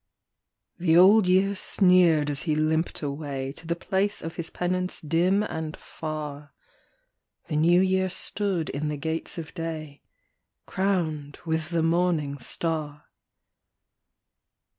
" The Old Year sneered as he limped away To the place of his penance dim and far. The New Year stood in the gates of day, Crowned with the morning star.